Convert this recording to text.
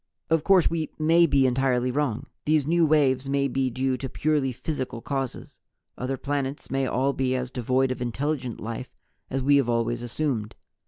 "Of course We may be entirely wrong. These new waves may be due to purely physical causes. Other planets may all be as devoid of intelligent life as We have always assumed.